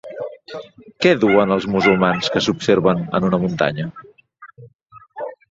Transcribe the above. Què duen els musulmans que s'observen en una muntanya?